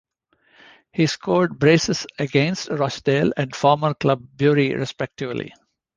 He scored brace's against Rochdale and former club Bury respectively.